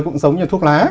cũng giống như thuốc lá